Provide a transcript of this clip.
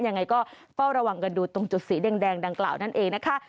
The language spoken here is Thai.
ยังไงก็เฝ้าระวังกันดูตรงจุดสีแดงดังกล่าวนั่นเองนะคะ